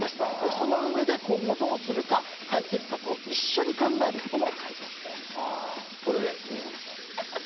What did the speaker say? そのうえで今後どうするか解決策を一緒に考えることもこれ、藤本さん。